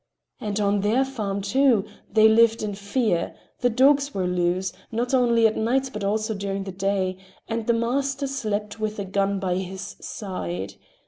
And on their farm, too, they lived in fear; the dogs were loose, not only at night, but also during the day, and the master slept with a gun by his side.